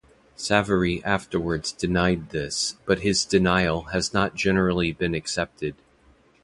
Savary afterwards denied this, but his denial has not generally been accepted.